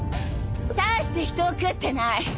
大して人を喰ってない。